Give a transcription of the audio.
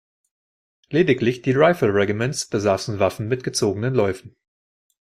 Lediglich die Rifle Regiments besaßen Waffen mit gezogenen Läufen.